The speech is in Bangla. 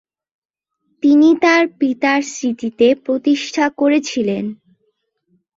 তিনি তার পিতার স্মৃতিতে প্রতিষ্ঠা করেছিলেন।